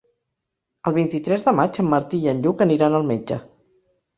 El vint-i-tres de maig en Martí i en Lluc aniran al metge.